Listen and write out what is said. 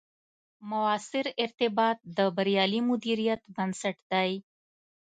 مؤثر ارتباط، د بریالي مدیریت بنسټ دی